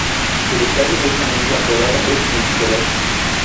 El estadio es, a menudo, apodado "el Multicolor".